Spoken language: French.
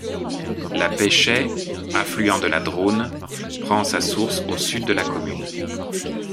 La Peychay, affluent de la Dronne, prend sa source au sud de la commune.